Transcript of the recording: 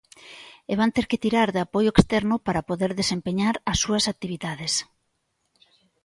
E van ter que tirar de apoio externo para poder desempeñar as súas actividades.